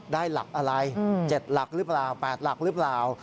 ได้หลักอะไร๗หลักหรือเปล่า๘หลักหรือเปล่า